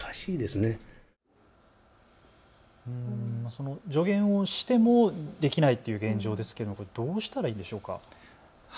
その助言をしてもできないという現状ですがどうしたらいいんでしょうか。